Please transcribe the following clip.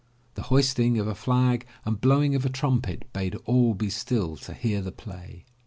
The hoisting of a flag and blowing of a trumpet bade all be still to hear the play.